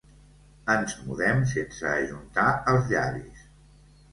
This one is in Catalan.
Ens mudem sense ajuntar els llavis.